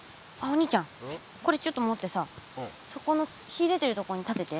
これちょっと持ってさそこの日でてるとこに立てて。